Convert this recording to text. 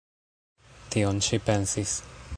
Tion ŝi pensis!